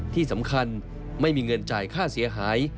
ที่สำคัญไม่มีเงินจ่ายค่าเสียหาย